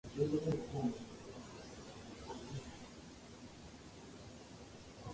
Solovey announced his intention to preserve and restore "Manos" for a Blu-ray release.